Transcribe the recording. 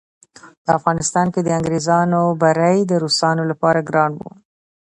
په افغانستان کې د انګریزانو بری د روسانو لپاره ګران وو.